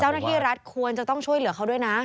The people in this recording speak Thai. เจ้าหน้าที่รัฐควรจะต้องช่วยเหลือเขาด้วยนะ